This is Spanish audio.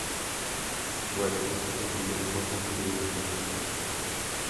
White y su segunda esposa tuvieron dos hijos.